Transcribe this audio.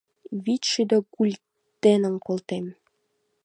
“ВИЧШӰДӦ ГУЛЬДЕНЫМ КОЛТЕМ